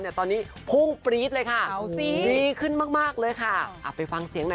ไปฟังเสียงหน่อยไค่